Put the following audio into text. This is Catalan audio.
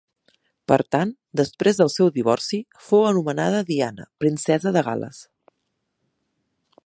Per tant, després del seu divorci, fou anomenada Diana, Princesa de Gal·les.